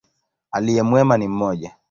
Aliye mwema ni mmoja.